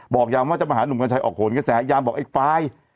ยามว่าจะมาหาหนุ่มกัญชัยออกโหนกระแสยามบอกไอ้ไฟล์